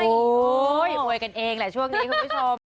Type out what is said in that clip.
โอ้โหอวยกันเองแหละช่วงนี้คุณผู้ชม